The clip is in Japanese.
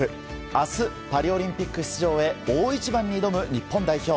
明日、パリオリンピック出場で大一番に挑む日本代表。